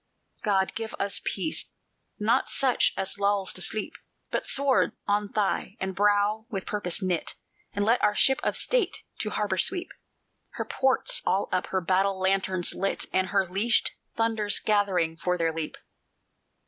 "God, give us peace! not such as lulls to sleep, But sword on thigh, and brow with purpose knit! And let our Ship of State to harbor sweep, Her ports all up, her battle lanterns lit, And her leashed thunders gathering for their leap!"